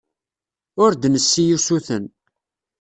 Ur d-nessi usuten.